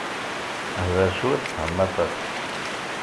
Hder cwiṭ, fhem aṭas.